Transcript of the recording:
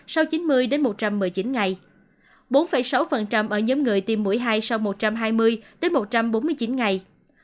sau chín mươi một trăm một mươi chín ngày bốn sáu ở nhóm người tiêm mũi hai sau một trăm hai mươi một trăm bốn mươi chín ngày